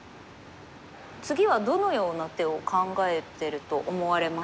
次はどのような手を考えてると思われますか？